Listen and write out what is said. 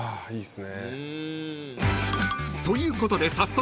［ということで早速］